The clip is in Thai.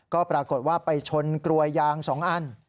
ก็ปรากฏว่าไปชนกลวยยาง๒อัน